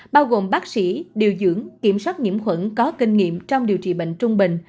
bao gồm bác sĩ điều dưỡng kiểm soát nhiễm khuẩn có kinh nghiệm trong điều trị bệnh trung bình